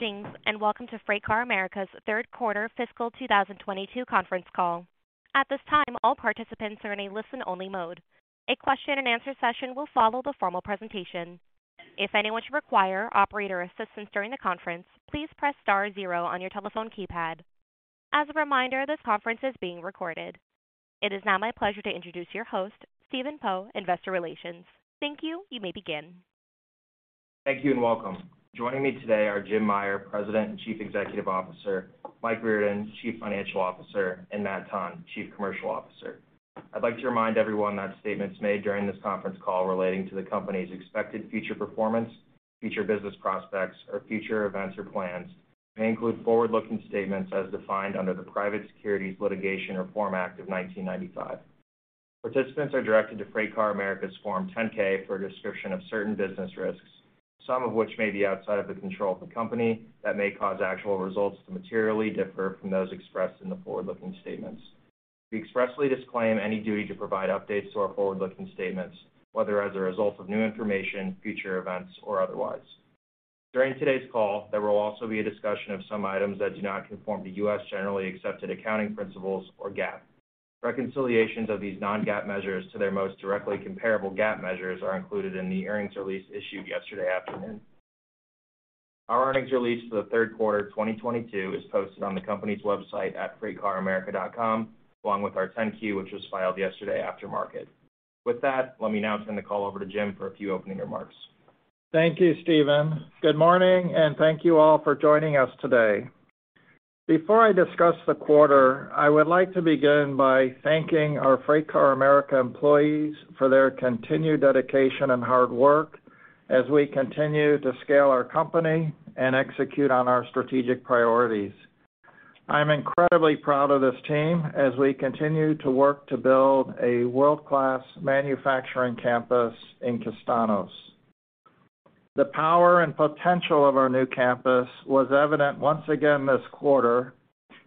Greetings, and welcome to FreightCar America's third quarter fiscal 2022 conference call. At this time, all participants are in a listen-only mode. A question and answer session will follow the formal presentation. If anyone should require operator assistance during the conference, please press star zero on your telephone keypad. As a reminder, this conference is being recorded. It is now my pleasure to introduce your host, Stephen Poe, investor relations. Thank you. You may begin. Thank you, and welcome. Joining me today are Jim Meyer, President and Chief Executive Officer, Mike Riordan, Chief Financial Officer, and Matt Tonn, Chief Commercial Officer. I'd like to remind everyone that statements made during this conference call relating to the company's expected future performance, future business prospects, or future events or plans may include forward-looking statements as defined under the Private Securities Litigation Reform Act of 1995. Participants are directed to FreightCar America's Form 10-K for a description of certain business risks, some of which may be outside of the control of the company, that may cause actual results to materially differ from those expressed in the forward-looking statements. We expressly disclaim any duty to provide updates to our forward-looking statements, whether as a result of new information, future events, or otherwise. During today's call, there will also be a discussion of some items that do not conform to U.S. generally accepted accounting principles, or GAAP. Reconciliations of these non-GAAP measures to their most directly comparable GAAP measures are included in the earnings release issued yesterday afternoon. Our earnings release for the third quarter 2022 is posted on the company's website at freightcaramerica.com, along with our 10-Q, which was filed yesterday after market. With that, let me now turn the call over to Jim for a few opening remarks. Thank you, Stephen. Good morning, and thank you all for joining us today. Before I discuss the quarter, I would like to begin by thanking our FreightCar America employees for their continued dedication and hard work as we continue to scale our company and execute on our strategic priorities. I'm incredibly proud of this team as we continue to work to build a world-class manufacturing campus in Castaños. The power and potential of our new campus was evident once again this quarter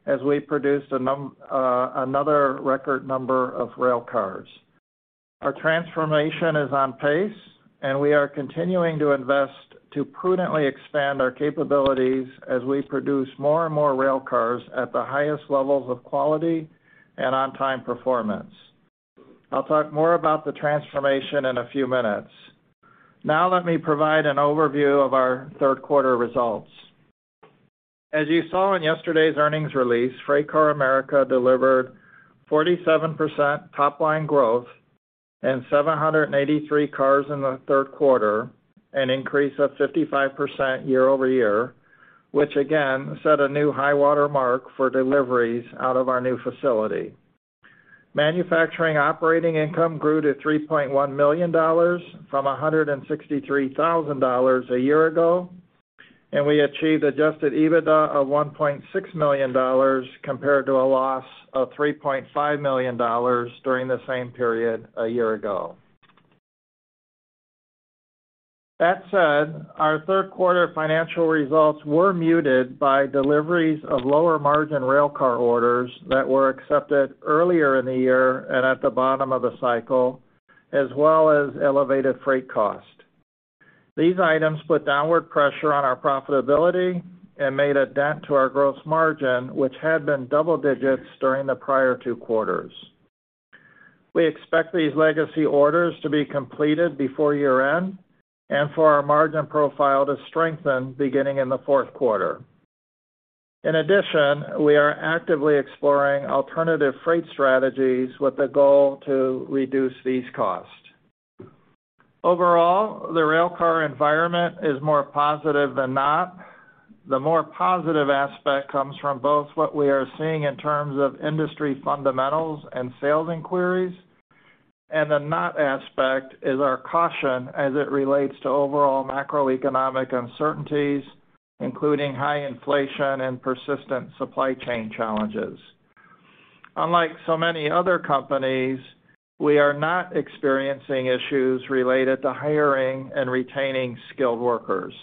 as we produced another record number of railcars. Our transformation is on pace, and we are continuing to invest to prudently expand our capabilities as we produce more and more railcars at the highest levels of quality and on-time performance. I'll talk more about the transformation in a few minutes. Now let me provide an overview of our third quarter results. As you saw in yesterday's earnings release, FreightCar America delivered 47% top-line growth and 783 cars in the third quarter, an increase of 55% year-over-year, which again set a new high water mark for deliveries out of our new facility. Manufacturing operating income grew to $3.1 million from $163,000 a year ago, and we achieved adjusted EBITDA of $1.6 million compared to a loss of $3.5 million during the same period a year ago. That said, our third quarter financial results were muted by deliveries of lower margin railcar orders that were accepted earlier in the year and at the bottom of the cycle, as well as elevated freight cost. These items put downward pressure on our profitability and made a dent to our gross margin, which had been double digits during the prior two quarters. We expect these legacy orders to be completed before year-end and for our margin profile to strengthen beginning in the fourth quarter. In addition, we are actively exploring alternative freight strategies with the goal to reduce these costs. Overall, the railcar environment is more positive than not. The more positive aspect comes from both what we are seeing in terms of industry fundamentals and sales inquiries. The not aspect is our caution as it relates to overall macroeconomic uncertainties, including high inflation and persistent supply chain challenges. Unlike so many other companies, we are not experiencing issues related to hiring and retaining skilled workers.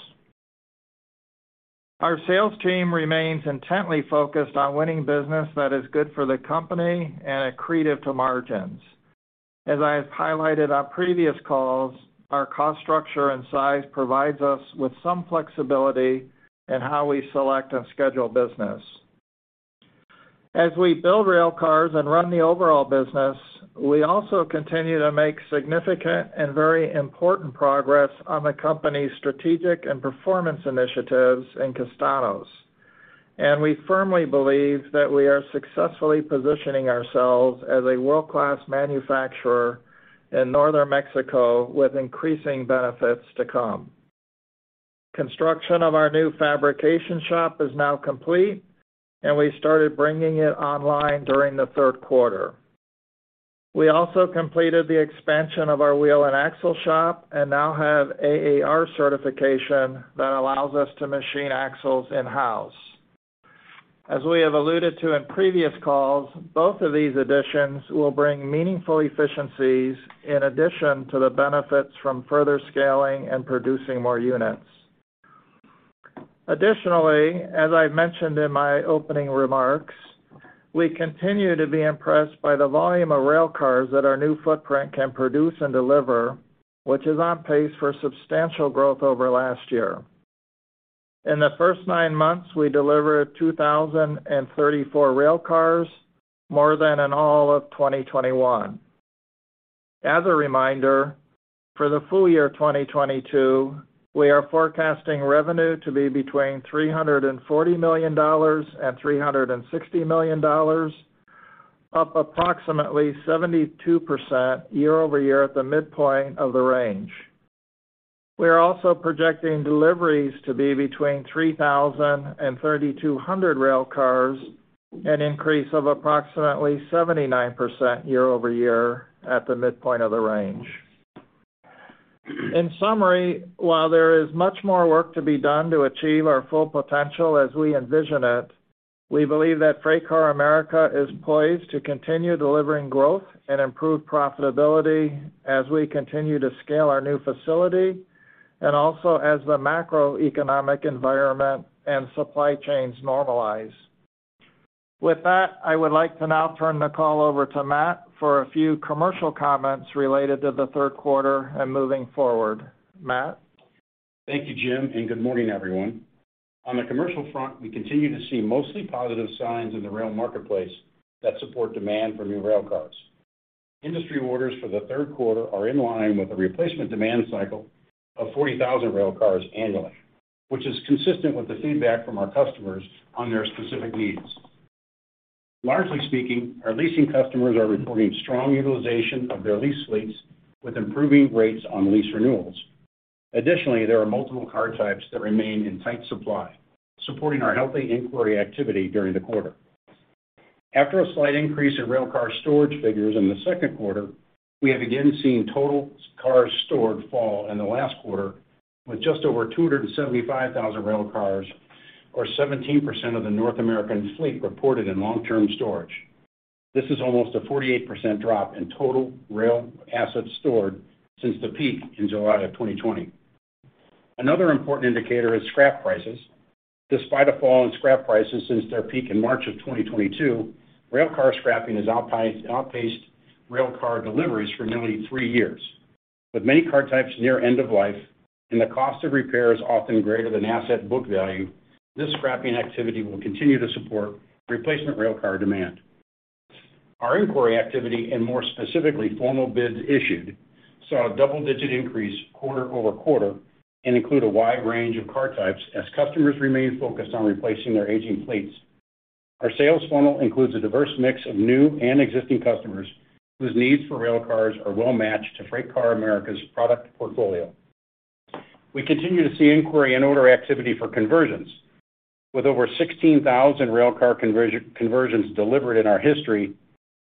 Our sales team remains intently focused on winning business that is good for the company and accretive to margins. As I have highlighted on previous calls, our cost structure and size provides us with some flexibility in how we select and schedule business. As we build railcars and run the overall business, we also continue to make significant and very important progress on the company's strategic and performance initiatives in Castaños, and we firmly believe that we are successfully positioning ourselves as a world-class manufacturer in Northern Mexico with increasing benefits to come. Construction of our new fabrication shop is now complete, and we started bringing it online during the third quarter. We also completed the expansion of our wheel and axle shop and now have AAR certification that allows us to machine axles in-house. As we have alluded to in previous calls, both of these additions will bring meaningful efficiencies in addition to the benefits from further scaling and producing more units. Additionally, as I mentioned in my opening remarks, we continue to be impressed by the volume of railcars that our new footprint can produce and deliver, which is on pace for substantial growth over last year. In the first nine months, we delivered 2,034 railcars, more than in all of 2021. As a reminder, for the full year 2022, we are forecasting revenue to be between $340 million and $360 million, up approximately 72% year-over-year at the midpoint of the range. We are also projecting deliveries to be between 3,000 and 3,200 railcars, an increase of approximately 79% year-over-year at the midpoint of the range. In summary, while there is much more work to be done to achieve our full potential as we envision it, we believe that FreightCar America is poised to continue delivering growth and improved profitability as we continue to scale our new facility and also as the macroeconomic environment and supply chains normalize. With that, I would like to now turn the call over to Matt for a few commercial comments related to the third quarter and moving forward. Matt? Thank you, Jim, good morning, everyone. On the commercial front, we continue to see mostly positive signs in the rail marketplace that support demand for new railcars. Industry orders for the third quarter are in line with the replacement demand cycle of 40,000 railcars annually, which is consistent with the feedback from our customers on their specific needs. Largely speaking, our leasing customers are reporting strong utilization of their lease fleets with improving rates on lease renewals. Additionally, there are multiple car types that remain in tight supply, supporting our healthy inquiry activity during the quarter. After a slight increase in railcar storage figures in the second quarter, we have again seen total cars stored fall in the last quarter with just over 275,000 railcars or 17% of the North American fleet reported in long-term storage. This is almost a 48% drop in total rail assets stored since the peak in July of 2020. Another important indicator is scrap prices. Despite a fall in scrap prices since their peak in March of 2022, railcar scrapping has outpaced railcar deliveries for nearly three years. With many car types near end of life and the cost of repairs often greater than asset book value, this scrapping activity will continue to support replacement railcar demand. Our inquiry activity and more specifically formal bids issued saw a double-digit increase quarter-over-quarter and include a wide range of car types as customers remain focused on replacing their aging fleets. Our sales funnel includes a diverse mix of new and existing customers whose needs for railcars are well-matched to FreightCar America's product portfolio. We continue to see inquiry and order activity for conversions. With over 16,000 railcar conversions delivered in our history,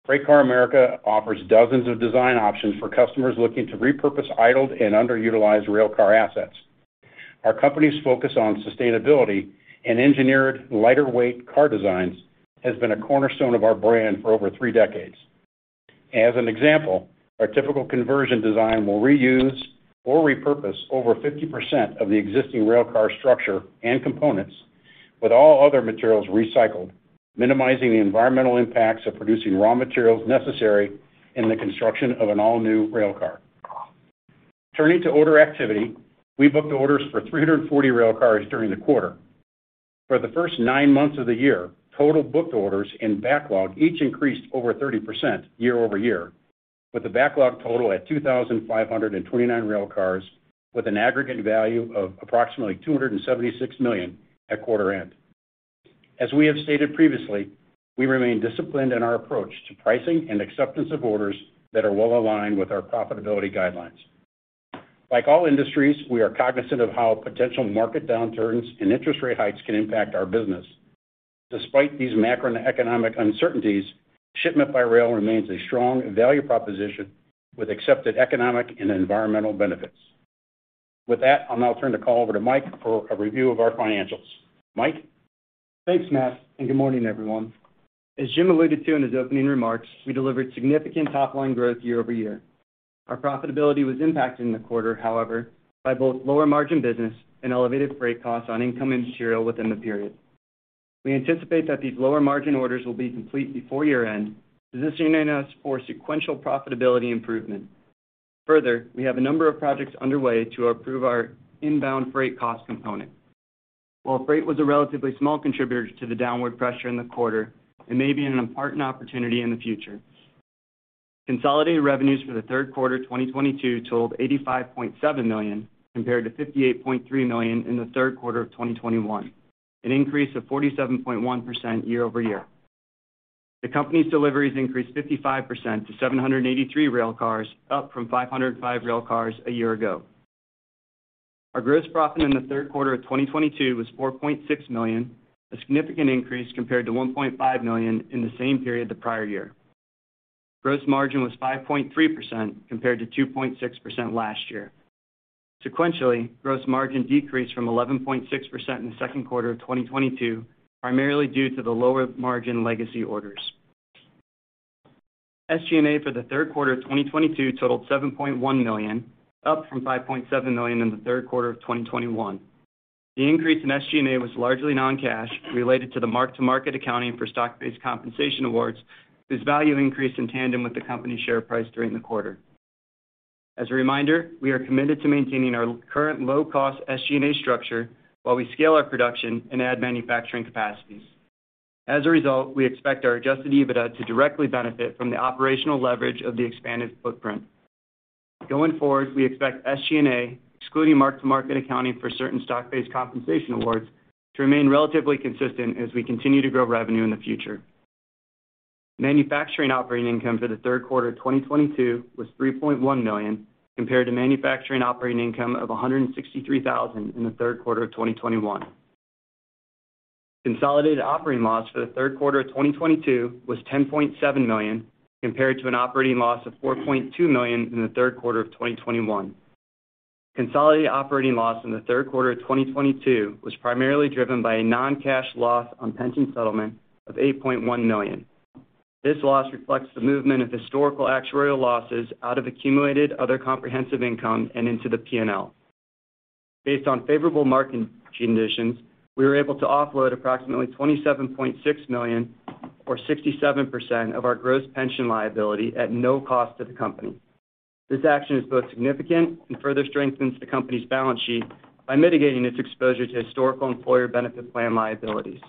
FreightCar America offers dozens of design options for customers looking to repurpose idled and underutilized railcar assets. Our company's focus on sustainability and engineered lighter weight car designs has been a cornerstone of our brand for over three decades. As an example, our typical conversion design will reuse or repurpose over 50% of the existing railcar structure and components with all other materials recycled, minimizing the environmental impacts of producing raw materials necessary in the construction of an all-new railcar. Turning to order activity, we booked orders for 340 railcars during the quarter. For the first nine months of the year, total booked orders and backlog each increased over 30% year-over-year, with the backlog total at 2,529 railcars with an aggregate value of approximately $276 million at quarter end. As we have stated previously, we remain disciplined in our approach to pricing and acceptance of orders that are well aligned with our profitability guidelines. Like all industries, we are cognizant of how potential market downturns and interest rate hikes can impact our business. Despite these macroeconomic uncertainties, shipment by rail remains a strong value proposition with accepted economic and environmental benefits. With that, I'll now turn the call over to Mike for a review of our financials. Mike? Thanks, Matt, and good morning, everyone. As Jim alluded to in his opening remarks, we delivered significant top-line growth year-over-year. Our profitability was impacted in the quarter, however, by both lower margin business and elevated freight costs on incoming material within the period. We anticipate that these lower margin orders will be complete before year-end, positioning us for sequential profitability improvement. Further, we have a number of projects underway to improve our inbound freight cost component. While freight was a relatively small contributor to the downward pressure in the quarter, it may be an important opportunity in the future. Consolidated revenues for the third quarter 2022 totaled $85.7 million compared to $58.3 million in the third quarter of 2021, an increase of 47.1% year-over-year. The company's deliveries increased 55% to 783 railcars, up from 505 railcars a year ago. Our gross profit in the third quarter of 2022 was $4.6 million, a significant increase compared to $1.5 million in the same period the prior year. Gross margin was 5.3% compared to 2.6% last year. Sequentially, gross margin decreased from 11.6% in the second quarter of 2022, primarily due to the lower margin legacy orders. SG&A for the third quarter of 2022 totaled $7.1 million, up from $5.7 million in the third quarter of 2021. The increase in SG&A was largely non-cash related to the mark-to-market accounting for stock-based compensation awards, whose value increased in tandem with the company's share price during the quarter. As a reminder, we are committed to maintaining our current low-cost SG&A structure while we scale our production and add manufacturing capacities. As a result, we expect our adjusted EBITDA to directly benefit from the operational leverage of the expanded footprint. Going forward, we expect SG&A, excluding mark-to-market accounting for certain stock-based compensation awards, to remain relatively consistent as we continue to grow revenue in the future. Manufacturing operating income for the third quarter of 2022 was $3.1 million, compared to manufacturing operating income of $163,000 in the third quarter of 2021. Consolidated operating loss for the third quarter of 2022 was $10.7 million, compared to an operating loss of $4.2 million in the third quarter of 2021. Consolidated operating loss in the third quarter of 2022 was primarily driven by a non-cash loss on pension settlement of $8.1 million. This loss reflects the movement of historical actuarial losses out of accumulated other comprehensive income and into the P&L. Based on favorable market conditions, we were able to offload approximately $27.6 million, or 67% of our gross pension liability, at no cost to the company. This action is both significant and further strengthens the company's balance sheet by mitigating its exposure to historical employer benefit plan liabilities.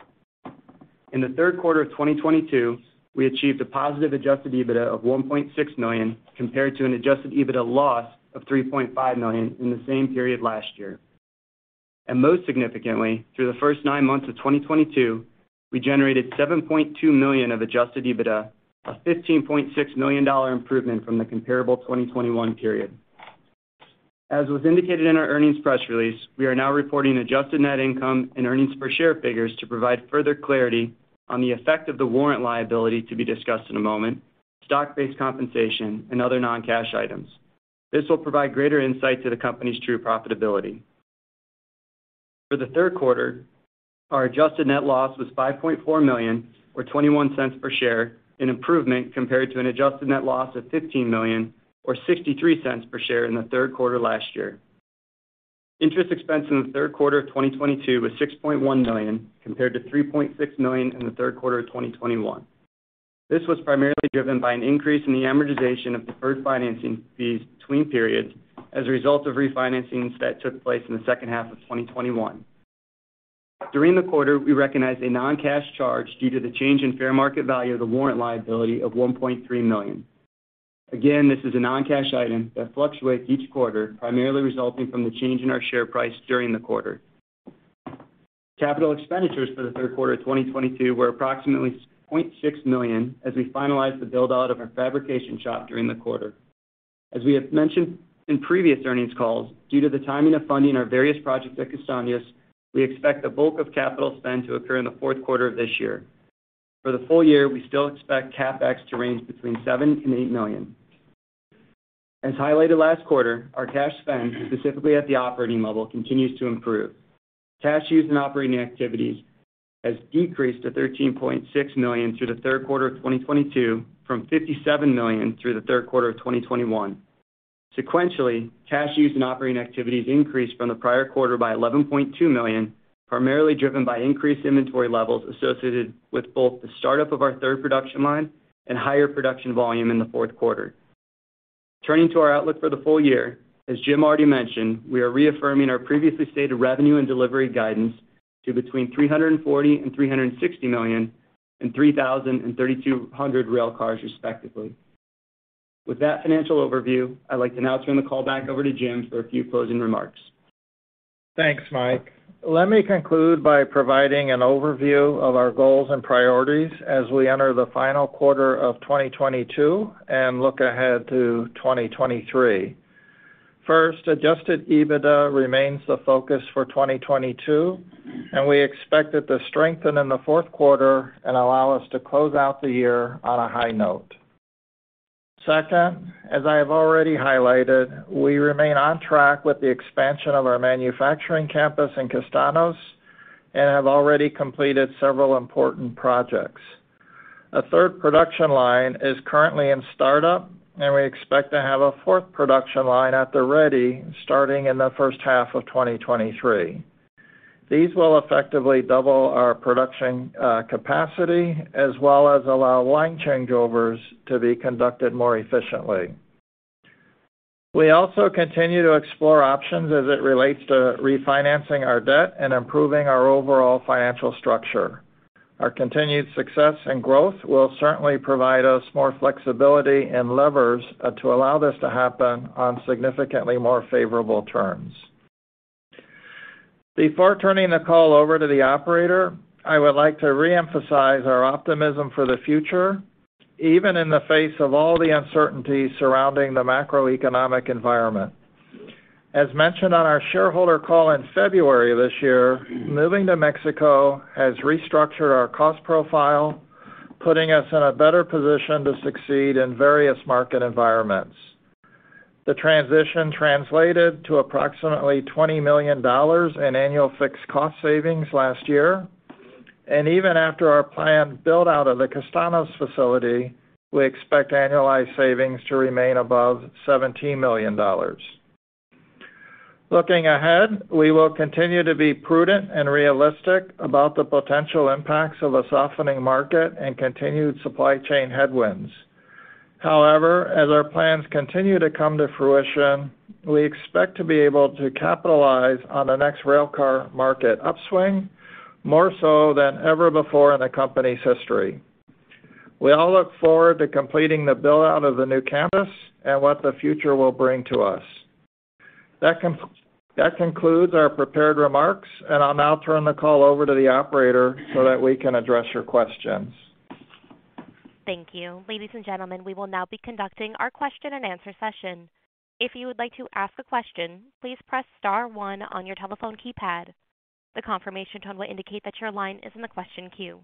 In the third quarter of 2022, we achieved a positive adjusted EBITDA of $1.6 million, compared to an adjusted EBITDA loss of $3.5 million in the same period last year. Most significantly, through the first nine months of 2022, we generated $7.2 million of adjusted EBITDA, a $15.6 million improvement from the comparable 2021 period. As was indicated in our earnings press release, we are now reporting adjusted net income and earnings per share figures to provide further clarity on the effect of the warrant liability to be discussed in a moment, stock-based compensation, and other non-cash items. This will provide greater insight to the company's true profitability. For the third quarter, our adjusted net loss was $5.4 million, or $0.21 per share, an improvement compared to an adjusted net loss of $15 million or $0.63 per share in the third quarter last year. Interest expense in the third quarter of 2022 was $6.1 million, compared to $3.6 million in the third quarter of 2021. This was primarily driven by an increase in the amortization of deferred financing fees between periods as a result of refinancings that took place in the second half of 2021. During the quarter, we recognized a non-cash charge due to the change in fair market value of the warrant liability of $1.3 million. Again, this is a non-cash item that fluctuates each quarter, primarily resulting from the change in our share price during the quarter. Capital expenditures for the third quarter of 2022 were approximately $0.6 million as we finalized the build-out of our fabrication shop during the quarter. As we have mentioned in previous earnings calls, due to the timing of funding our various projects at Castaños, we expect the bulk of capital spend to occur in the fourth quarter of this year. For the full year, we still expect CapEx to range between $7 million and $8 million. As highlighted last quarter, our cash spend, specifically at the operating level, continues to improve. Cash used in operating activities has decreased to $13.6 million through the third quarter of 2022 from $57 million through the third quarter of 2021. Sequentially, cash used in operating activities increased from the prior quarter by $11.2 million, primarily driven by increased inventory levels associated with both the startup of our third production line and higher production volume in the fourth quarter. Turning to our outlook for the full year, as Jim already mentioned, we are reaffirming our previously stated revenue and delivery guidance to between $340 million and $360 million and 3,000 and 3,200 railcars respectively. With that financial overview, I'd like to now turn the call back over to Jim for a few closing remarks. Thanks, Mike. Let me conclude by providing an overview of our goals and priorities as we enter the final quarter of 2022 and look ahead to 2023. First, adjusted EBITDA remains the focus for 2022, and we expect it to strengthen in the fourth quarter and allow us to close out the year on a high note. Second, as I have already highlighted, we remain on track with the expansion of our manufacturing campus in Castaños and have already completed several important projects. A third production line is currently in startup, and we expect to have a fourth production line at the ready starting in the first half of 2023. These will effectively double our production capacity as well as allow line changeovers to be conducted more efficiently. We also continue to explore options as it relates to refinancing our debt and improving our overall financial structure. Our continued success and growth will certainly provide us more flexibility and levers to allow this to happen on significantly more favorable terms. Before turning the call over to the operator, I would like to reemphasize our optimism for the future, even in the face of all the uncertainties surrounding the macroeconomic environment. As mentioned on our shareholder call in February this year, moving to Mexico has restructured our cost profile, putting us in a better position to succeed in various market environments. The transition translated to approximately $20 million in annual fixed cost savings last year. Even after our planned build-out of the Castaños facility, we expect annualized savings to remain above $17 million. Looking ahead, we will continue to be prudent and realistic about the potential impacts of a softening market and continued supply chain headwinds. However, as our plans continue to come to fruition, we expect to be able to capitalize on the next railcar market upswing, more so than ever before in the company's history. We all look forward to completing the build-out of the new campus and what the future will bring to us. That concludes our prepared remarks, and I'll now turn the call over to the operator so that we can address your questions. Thank you. Ladies and gentlemen, we will now be conducting our question and answer session. If you would like to ask a question, please press star one on your telephone keypad. The confirmation tone will indicate that your line is in the question queue.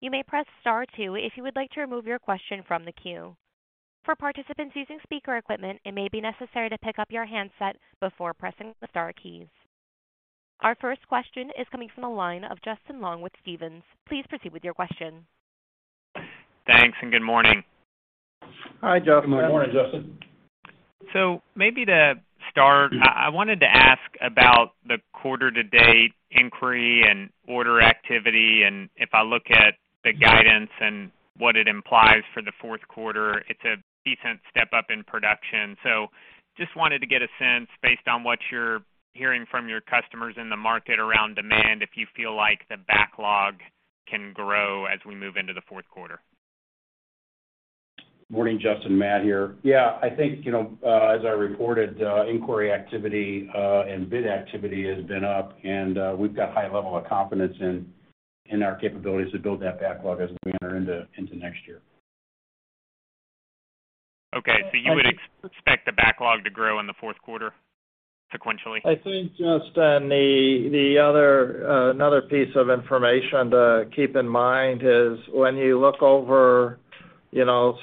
You may press star two if you would like to remove your question from the queue. For participants using speaker equipment, it may be necessary to pick up your handset before pressing the star keys. Our first question is coming from the line of Justin Long with Stephens. Please proceed with your question. Thanks, good morning. Hi, Justin. Good morning, Justin. Maybe to start, I wanted to ask about the quarter to date inquiry and order activity, and if I look at the guidance and what it implies for the fourth quarter, it's a decent step up in production. Just wanted to get a sense, based on what you're hearing from your customers in the market around demand, if you feel like the backlog can grow as we move into the fourth quarter. Morning, Justin. Matt here. Yeah, I think, as I reported, inquiry activity and bid activity has been up, and we've got high level of confidence in our capabilities to build that backlog as we enter into next year. Okay. You would expect the backlog to grow in the fourth quarter sequentially? I think, Justin, another piece of information to keep in mind is when you look over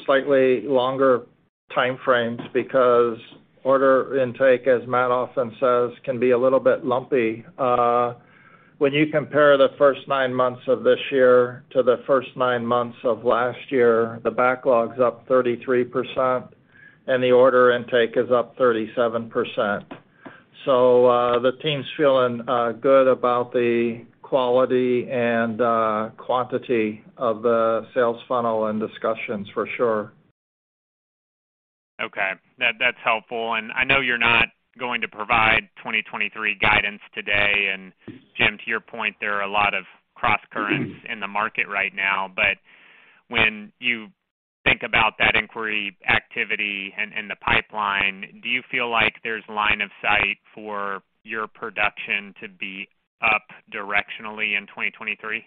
slightly longer time frames, because order intake, as Matt often says, can be a little bit lumpy. When you compare the first nine months of this year to the first nine months of last year, the backlog's up 33%, and the order intake is up 37%. The team's feeling good about the quality and quantity of the sales funnel and discussions, for sure. Okay. That's helpful. I know you're not going to provide 2023 guidance today, Jim, to your point, there are a lot of crosscurrents in the market right now. When you think about that inquiry activity and the pipeline, do you feel like there's line of sight for your production to be up directionally in 2023?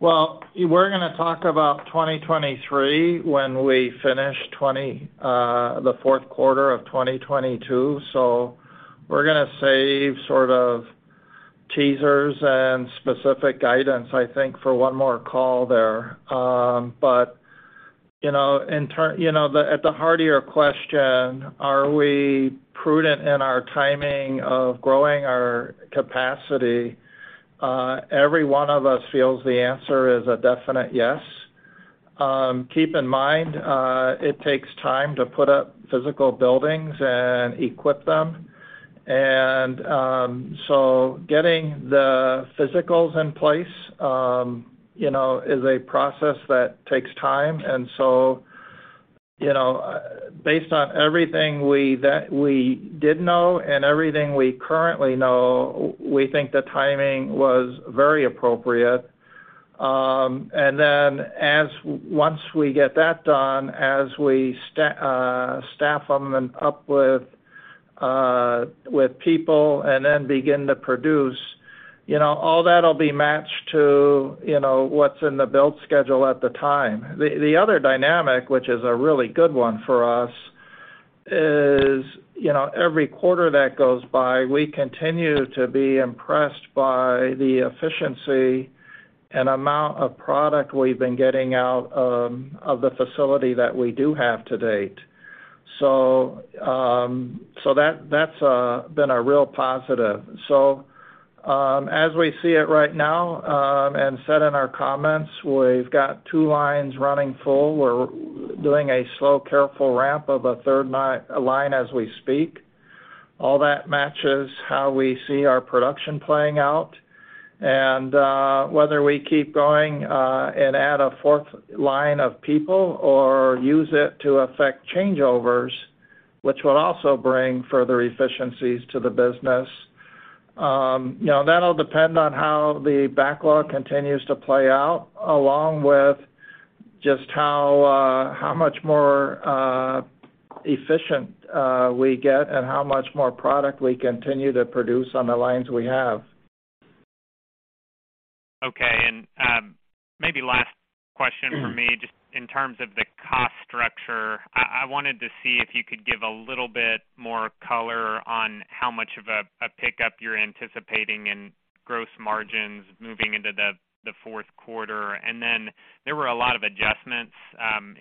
Well, we're going to talk about 2023 when we finish the fourth quarter of 2022. We're going to save sort of teasers and specific guidance, I think, for one more call there. At the heart of your question, are we prudent in our timing of growing our capacity? Every one of us feels the answer is a definite yes. Keep in mind, it takes time to put up physical buildings and equip them. Getting the physicals in place is a process that takes time. Based on everything we did know and everything we currently know, we think the timing was very appropriate. Once we get that done, as we staff them up with people and then begin to produce, all that'll be matched to what's in the build schedule at the time. The other dynamic, which is a really good one for us, is every quarter that goes by, we continue to be impressed by the efficiency and amount of product we've been getting out of the facility that we do have to date. That's been a real positive. As we see it right now, and said in our comments, we've got two lines running full. We're doing a slow, careful ramp of a third line as we speak. All that matches how we see our production playing out. Whether we keep going and add a fourth line of people or use it to affect changeovers, which will also bring further efficiencies to the business, that'll depend on how the backlog continues to play out, along with just how much more efficient we get and how much more product we continue to produce on the lines we have. Okay. Maybe last question from me, just in terms of the cost structure. I wanted to see if you could give a little bit more color on how much of a pickup you're anticipating in gross margins moving into the fourth quarter. There were a lot of adjustments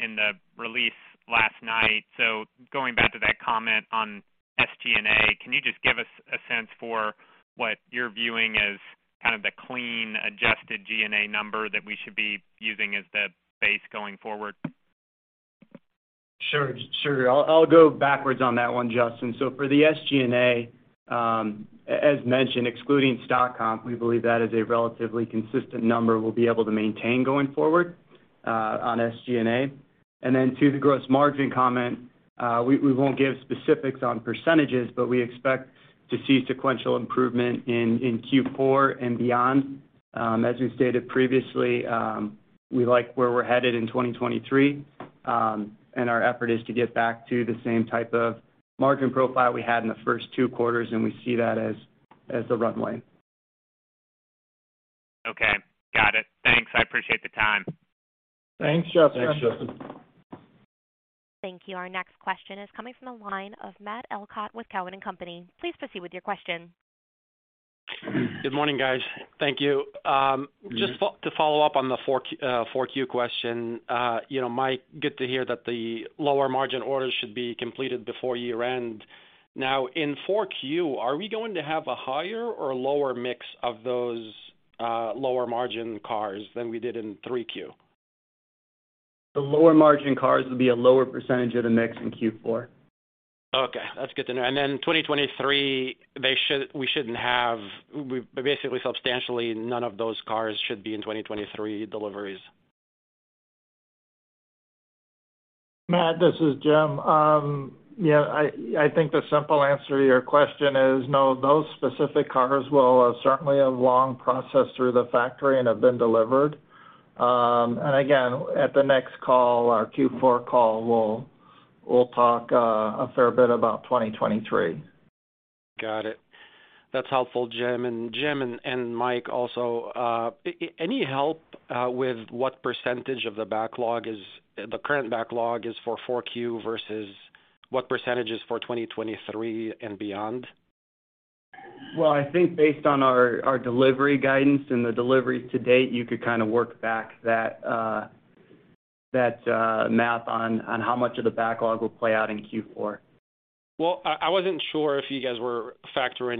in the release last night. Going back to that comment on SG&A, can you just give us a sense for what you're viewing as kind of the clean, adjusted SG&A number that we should be using as the base going forward. Sure. I'll go backwards on that one, Justin. For the SG&A, as mentioned, excluding stock comp, we believe that is a relatively consistent number we'll be able to maintain going forward on SG&A. To the gross margin comment, we won't give specifics on %, but we expect to see sequential improvement in Q4 and beyond. As we stated previously, we like where we're headed in 2023. Our effort is to get back to the same type of margin profile we had in the first two quarters. We see that as the runway. Okay. Got it. Thanks. I appreciate the time. Thanks, Justin. Thanks, Justin. Thank you. Our next question is coming from the line of Matt Elkott with Cowen and Company. Please proceed with your question. Good morning, guys. Thank you. Just to follow up on the Q4 question. Mike, good to hear that the lower margin orders should be completed before year-end. Now, in Q4, are we going to have a higher or lower mix of those lower margin cars than we did in Q3? The lower margin cars will be a lower percentage of the mix in Q4. 2023, basically substantially none of those cars should be in 2023 deliveries. Matt, this is Jim. I think the simple answer to your question is no, those specific cars will certainly have long processed through the factory and have been delivered. Again, at the next call, our Q4 call, we'll talk a fair bit about 2023. Got it. That's helpful, Jim. Jim and Mike also, any help with what % of the current backlog is for 4Q versus what % is for 2023 and beyond? I think based on our delivery guidance and the deliveries to date, you could kind of work back that math on how much of the backlog will play out in Q4. I wasn't sure if you guys were factoring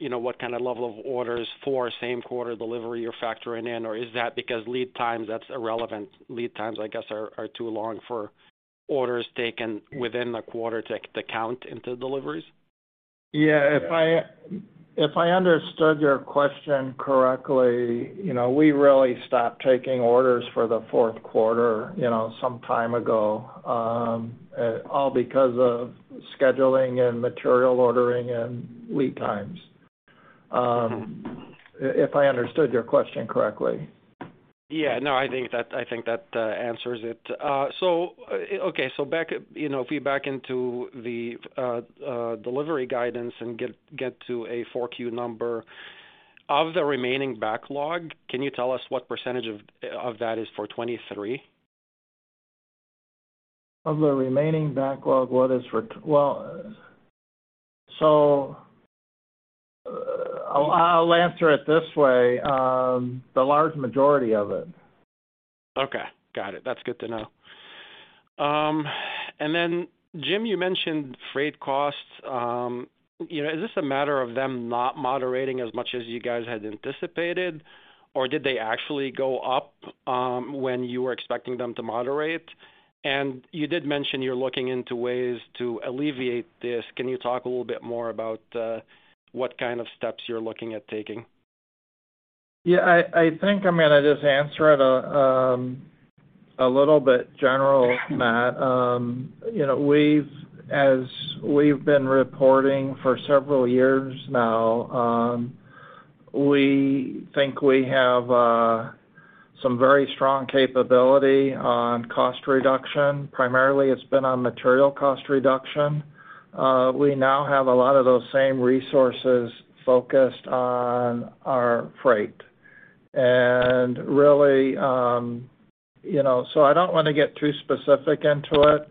in what kind of level of orders for same quarter delivery you're factoring in, or is that because lead times, that's irrelevant. Lead times, I guess, are too long for orders taken within the quarter to count into deliveries. If I understood your question correctly, we really stopped taking orders for the fourth quarter some time ago, all because of scheduling and material ordering and lead times. If I understood your question correctly. I think that answers it. If we back into the delivery guidance and get to a 4Q number. Of the remaining backlog, can you tell us what % of that is for 2023? Of the remaining backlog, what is for I'll answer it this way. The large majority of it. Got it. That's good to know. Jim, you mentioned freight costs. Is this a matter of them not moderating as much as you guys had anticipated, or did they actually go up when you were expecting them to moderate? You did mention you're looking into ways to alleviate this. Can you talk a little bit more about what kind of steps you're looking at taking? I think I'm going to just answer it a little bit general, Matt. As we've been reporting for several years now, we think we have some very strong capability on cost reduction. Primarily, it's been on material cost reduction. We now have a lot of those same resources focused on our freight. I don't want to get too specific into it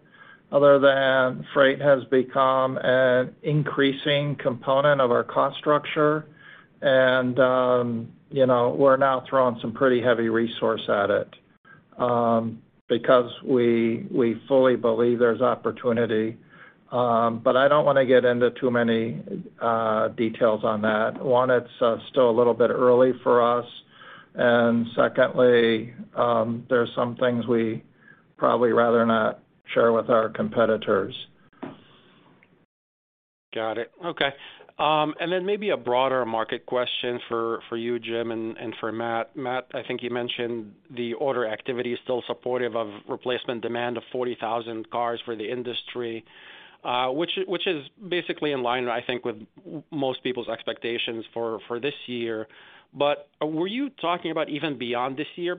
other than freight has become an increasing component of our cost structure, and we're now throwing some pretty heavy resource at it, because we fully believe there's opportunity. I don't want to get into too many details on that. One, it's still a little bit early for us, and secondly, there's some things we probably rather not share with our competitors. Got it. Okay. Maybe a broader market question for you, Jim, and for Matt. Matt, I think you mentioned the order activity is still supportive of replacement demand of 40,000 cars for the industry, which is basically in line, I think, with most people's expectations for this year. Were you talking about even beyond this year?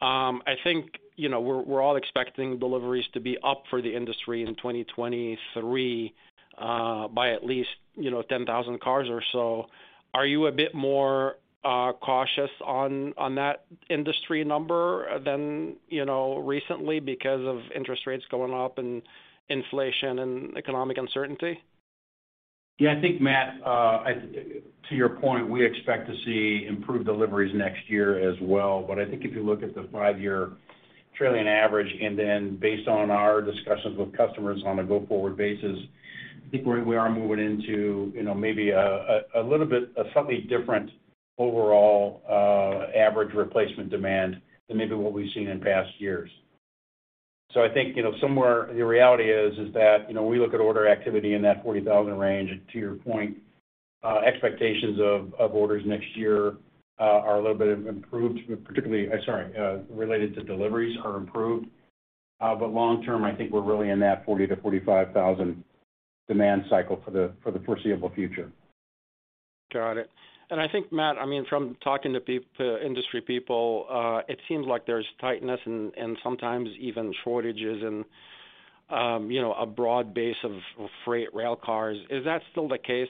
I think we're all expecting deliveries to be up for the industry in 2023 by at least 10,000 cars or so. Are you a bit more cautious on that industry number than recently because of interest rates going up and inflation and economic uncertainty? Yeah, I think, Matt, I To your point, we expect to see improved deliveries next year as well. I think if you look at the five-year trailing average, and then based on our discussions with customers on a go-forward basis, I think we are moving into maybe a little bit of slightly different overall average replacement demand than maybe what we've seen in past years. I think the reality is that we look at order activity in that 40,000 range. To your point, expectations of orders next year are a little bit improved. I'm sorry, related to deliveries are improved. Long term, I think we're really in that 40,000-45,000 demand cycle for the foreseeable future. Got it. I think, Matt, from talking to industry people, it seems like there's tightness and sometimes even shortages in a broad base of freight railcars. Is that still the case?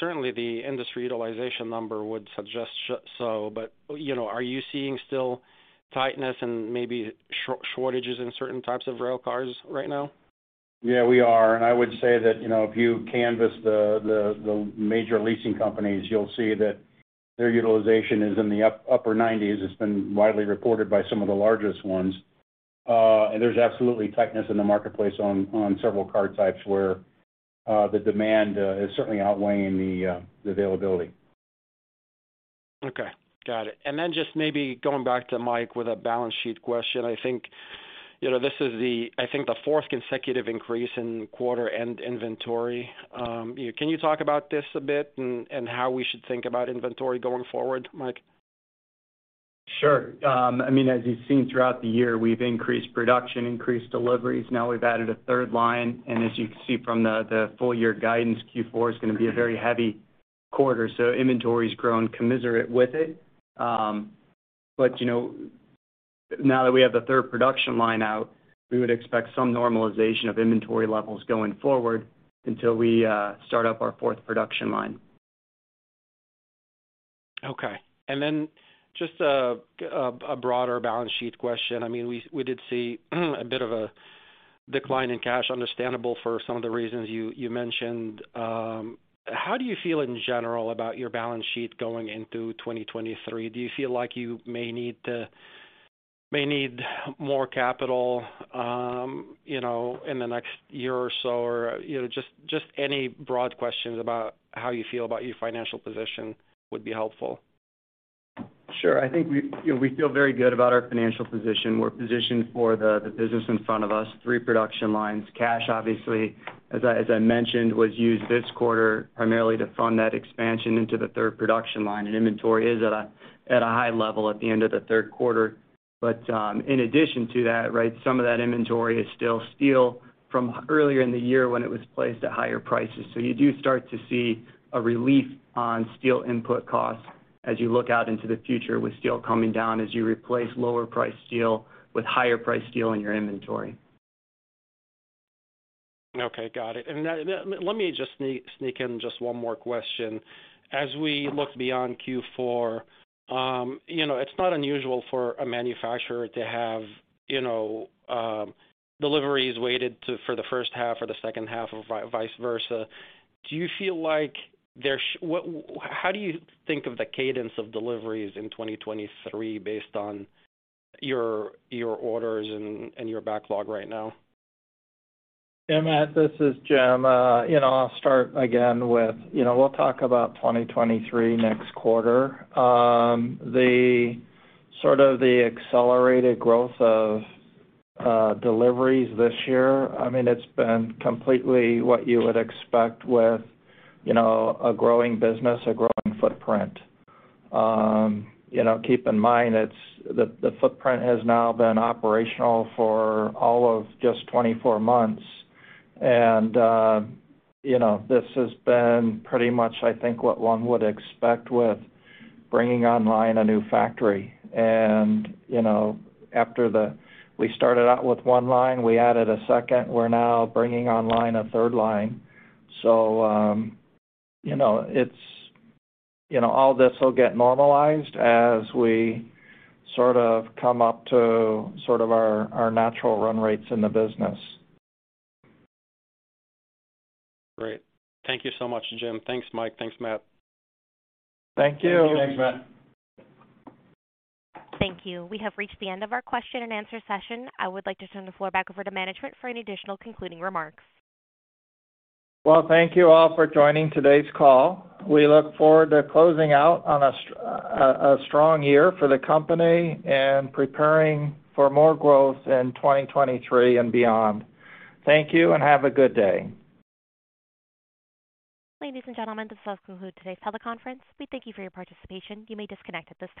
Certainly, the industry utilization number would suggest so, but are you seeing still tightness and maybe shortages in certain types of railcars right now? Yeah, we are. I would say that if you canvass the major leasing companies, you'll see that their utilization is in the upper 90s. It's been widely reported by some of the largest ones. There's absolutely tightness in the marketplace on several car types where the demand is certainly outweighing the availability. Okay. Got it. Then just maybe going back to Mike with a balance sheet question. I think this is the fourth consecutive increase in quarter-end inventory. Can you talk about this a bit and how we should think about inventory going forward, Mike? Sure. As you've seen throughout the year, we've increased production, increased deliveries. Now we've added a third line, as you can see from the full-year guidance, Q4 is going to be a very heavy quarter, inventory's grown commensurate with it. Now that we have the third production line out, we would expect some normalization of inventory levels going forward until we start up our fourth production line. Just a broader balance sheet question. We did see a bit of a decline in cash, understandable for some of the reasons you mentioned. How do you feel in general about your balance sheet going into 2023? Do you feel like you may need more capital in the next year or so? Just any broad questions about how you feel about your financial position would be helpful. Sure. I think we feel very good about our financial position. We're positioned for the business in front of us, three production lines. Cash, obviously, as I mentioned, was used this quarter primarily to fund that expansion into the third production line, and inventory is at a high level at the end of the third quarter. In addition to that, right, some of that inventory is still steel from earlier in the year when it was placed at higher prices. You do start to see a relief on steel input costs as you look out into the future with steel coming down, as you replace lower priced steel with higher priced steel in your inventory. Okay, got it. Let me just sneak in just one more question. As we look beyond Q4, it's not unusual for a manufacturer to have deliveries weighted for the first half or the second half or vice versa. How do you think of the cadence of deliveries in 2023 based on your orders and your backlog right now? Yeah, Matt, this is Jim. I'll start again with, we'll talk about 2023 next quarter. The sort of the accelerated growth of deliveries this year, it's been completely what you would expect with a growing business, a growing footprint. Keep in mind the footprint has now been operational for all of just 24 months. This has been pretty much, I think, what one would expect with bringing online a new factory. We started out with one line, we added a second. We're now bringing online a third line. All this will get normalized as we sort of come up to sort of our natural run rates in the business. Great. Thank you so much, Jim. Thanks, Mike. Thanks, Matt. Thank you. Thanks, Matt. Thank you. We have reached the end of our question and answer session. I would like to turn the floor back over to management for any additional concluding remarks. Well, thank you all for joining today's call. We look forward to closing out on a strong year for the company and preparing for more growth in 2023 and beyond. Thank you, and have a good day. Ladies and gentlemen, this does conclude today's teleconference. We thank you for your participation. You may disconnect at this time.